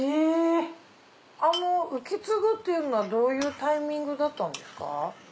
受け継ぐっていうのはどういうタイミングだったんですか？